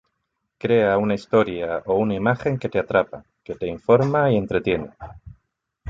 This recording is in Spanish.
Crea una historia o una imagen que te atrapa, que te informa y entretiene".